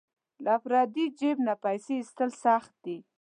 له پردي جیب نه پیسې ایستل سخت دي.